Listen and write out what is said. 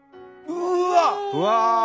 うわ！